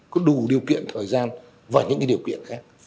có đủ điều kiện thời gian và những điều kiện khác